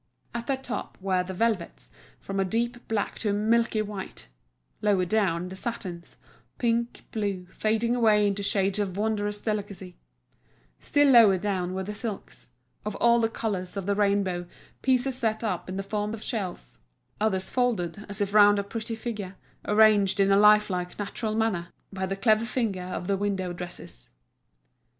At the top were the velvets, from a deep black to a milky white: lower down, the satins—pink, blue, fading away into shades of a wondrous delicacy; still lower down were the silks, of all the colours of the rainbow, pieces set up in the form of shells, others folded as if round a pretty figure, arranged in a life like natural manner by the clever fingers of the window dressers.